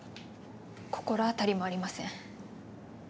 心当たりもありません。